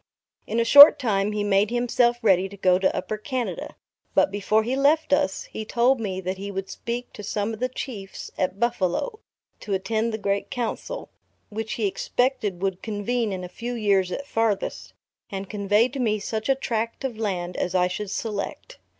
In a short time he made himself ready to go to Upper Canada; but before he left us, he told me that he would speak to some of the Chiefs at Buffalo, to attend the great Council, which he expected would convene in a few years at farthest, and convey to me such a tract of land as I should select.